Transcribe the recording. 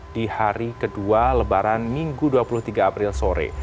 di hari kedua lebaran minggu dua puluh tiga april sore